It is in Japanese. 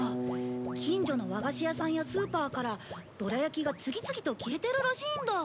近所の和菓子屋さんやスーパーからどら焼きが次々と消えてるらしいんだ。